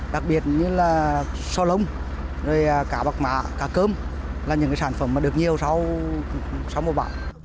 đặc biệt như là xo lông cả bạc mạ cả cơm là những sản phẩm được nhiều sau một bão